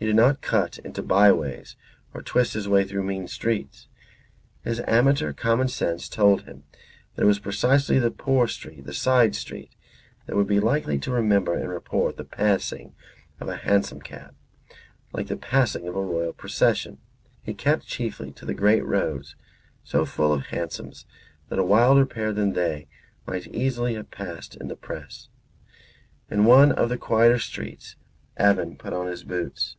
He did not cut into by ways or twist his way through mean streets. His amateur common sense told him that it was precisely the poor street, the side street, that would be likely to remember and report the passing of a hansom cab, like the passing of a royal procession. He kept chiefly to the great roads, so full of hansoms that a wilder pair than they might easily have passed in the press. In one of the quieter streets Evan put on his boots.